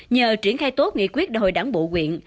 nhờ triển khai tốt nghị quyết đòi đảng bộ quyện